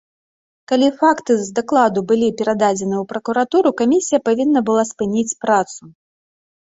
Калі факты з дакладу былі перададзеныя ў пракуратуру, камісія павінна была спыніць працу.